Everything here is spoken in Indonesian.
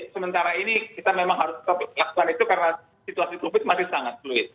sementara ini kita memang harus lakukan itu karena situasi covid masih sangat sulit